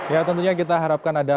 ya tentunya kita harapkan ada